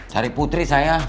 cari putri saya